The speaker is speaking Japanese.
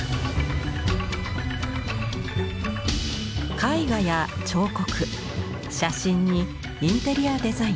絵画や彫刻写真にインテリアデザイン。